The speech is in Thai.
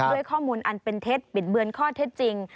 ด้วยข้อมูลอันเป็นเท็จปิดเบือนข้อเท็จจริง